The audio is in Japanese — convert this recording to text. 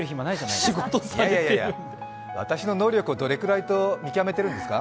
いやいや、私の能力をどれくらいと見極めてるんですか。